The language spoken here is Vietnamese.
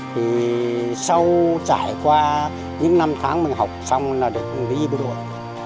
thì sau trải qua những năm tháng mình học xong là được đi bộ đội